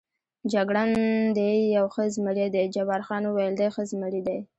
جګړن: دی یو ښه زمري دی، جبار خان وویل: دی ښه زمري دی.